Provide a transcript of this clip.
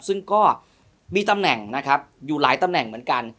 ซึ่งก็มีตำแหน่งนะครับอยู่หลายตำแหน่งเหมือนกัน